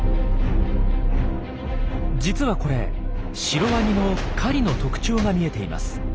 実はこれシロワニの狩りの特徴が見えています。